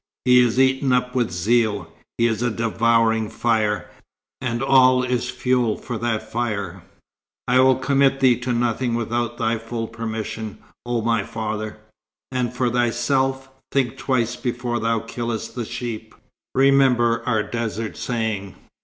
He is eaten up with zeal. He is a devouring fire and all is fuel for that fire." "I will commit thee to nothing without thy full permission, O my father." "And for thyself, think twice before thou killest the sheep. Remember our desert saying.